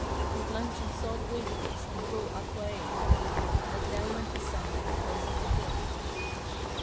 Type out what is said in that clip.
He'd lunch on salt wafers and cool aqu—a. As down went the sun at the close of the day.